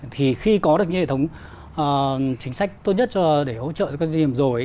thì khi có được những hệ thống chính sách tốt nhất để hỗ trợ cho các doanh nghiệp rồi